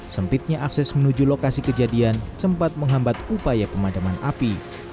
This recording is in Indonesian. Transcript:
sempitnya akses menuju lokasi kejadian sempat menghambat upaya pemadaman api